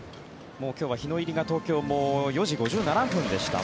今日は日の入りが東京も４時５７分でした。